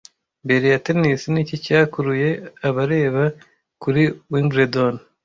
Mbere ya tennis niki cyakuruye abareba kuri Wimbledon